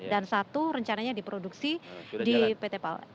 dan satu rencananya diproduksi di pt pal